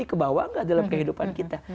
kebawa gak dalam kehidupan kita